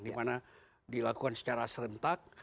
dimana dilakukan secara serentak